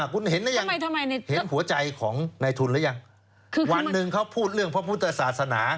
คุณเห็นหรือยังเห็นหัวใจของในทุนหรือยังวันหนึ่งเขาพูดเรื่องพระพุทธศาสนา